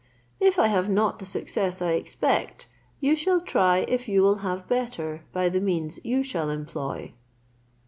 If I have not the success I expect, you shall try if you will have better by the means you shall employ."